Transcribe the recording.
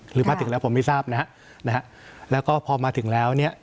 หรือมาถึงแล้วผมไม่ทราบนะฮะนะฮะแล้วก็พอมาถึงแล้วเนี่ย